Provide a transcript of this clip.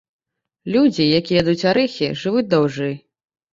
Людзі, якія ядуць арэхі, жывуць даўжэй.